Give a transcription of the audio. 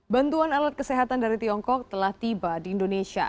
bantuan alat kesehatan dari tiongkok telah tiba di indonesia